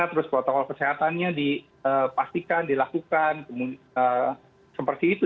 terus protokol kesehatannya dipastikan dilakukan seperti itu